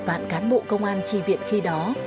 vạn cán bộ công an tri viện khi đó